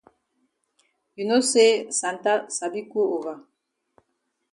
You know say Santa sabi cold over.